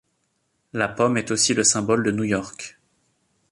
La pomme est aussi le symbole de New York.